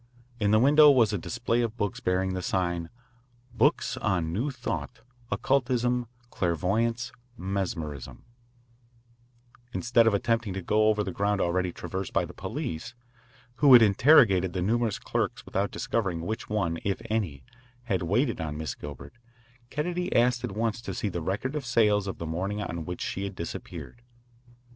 In the window was a display of books bearing the sign: BOOKS ON NEW THOUGHT, OCCULTISM, CLAIRVOYANCE, MESMERISM Instead of attempting to go over the ground already traversed by the police, who had interrogated the numerous clerks without discovering which one, if any, had waited on Miss Gilbert, Kennedy asked at once to see the record of sales of the morning on which she had disappeared.